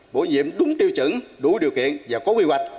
bổ nhiệm đúng tiêu chuẩn đủ điều kiện và có quy hoạch